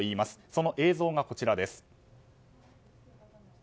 その映像がこちらです。